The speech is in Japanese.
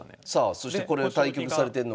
そしてこれを対局されてるのが？